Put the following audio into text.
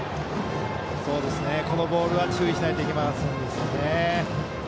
このボールは注意しないといけませんね。